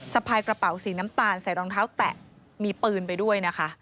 สะพายกระเป๋าสีน้ำตาลใส่รองเท้าแตะมีปืนไปด้วยนะคะ